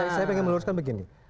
saya pengen meluruskan begini